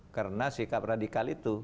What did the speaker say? karena sikap radikal itu